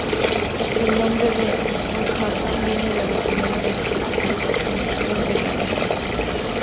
El nombre "Manhattan" viene de los idiomas de los habitantes primitivos del área.